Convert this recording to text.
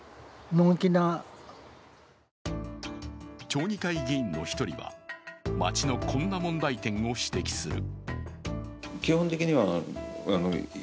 町議会議員の１人は町のこんな問題点を指摘する。